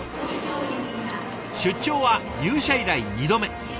出張は入社以来２度目。